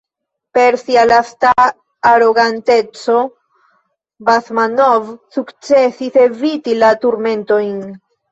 Per sia lasta aroganteco Basmanov sukcesis eviti la turmentojn.